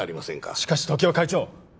しかし常盤会長！